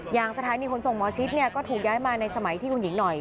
อย่างสถานีขนส่งหมอชิดเนี่ยก็ถูกย้ายมาในสมัยที่คุณหญิงหน่อย